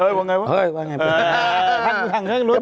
ว่างังไงครับ